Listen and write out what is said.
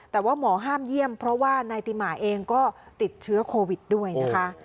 แต่ว่าหมอห้ามเยี่ยมเพราะว่านายติหมาเองก็ติดเชื้อโควิดด้วยนะคะ